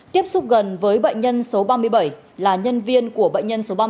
tiếp xúc gần với bệnh nhân số ba mươi bảy là nhân viên của bệnh nhân số ba mươi